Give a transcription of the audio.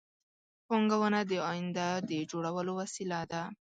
پانګونه د آینده د جوړولو وسیله ده